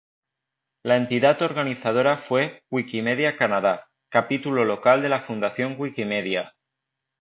La entidad organizadora fue Wikimedia Canadá, capítulo local de la Fundación Wikimedia.